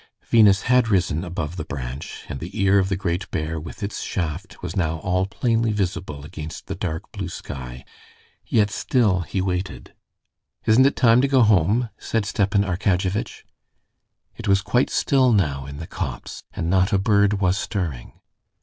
Venus had risen above the branch, and the ear of the Great Bear with its shaft was now all plainly visible against the dark blue sky, yet still he waited. "Isn't it time to go home?" said Stepan Arkadyevitch. It was quite still now in the copse, and not a bird was stirring.